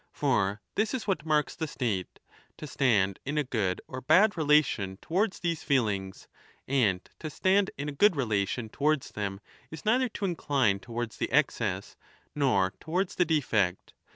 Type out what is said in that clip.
For this is what marks the 8 state, to stand in a good or bad relation towards these feelings, and to stand in a good relation towards them is 30 neither to incline towards the excess nor towards the defect.